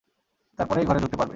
তারপরেই ঘরে ঢুকতে পারবে।